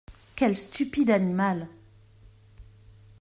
Quel stupide animal !